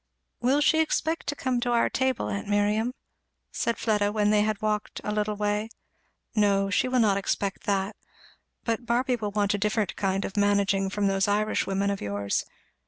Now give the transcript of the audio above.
"Will she expect to come to our table, aunt Miriam?" said Fleda when they had walked a little way. "No she will not expect that but Barby will want a different kind of managing from those Irish women of yours.